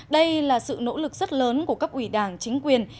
đây là sự nỗ lực rất lớn của các quỷ đảng chính quyền